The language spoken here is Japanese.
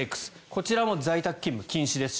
こちらも在宅勤務禁止です。